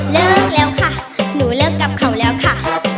เลิกแล้วค่ะหนูเลิกกับเขาแล้วค่ะ